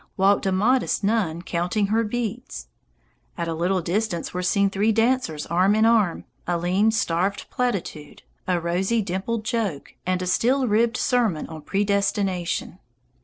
walked a modest nun counting her beads. At a little distance were seen three dancers arm in arm, a lean, starved platitude, a rosy, dimpled joke, and a steel ribbed sermon on predestination.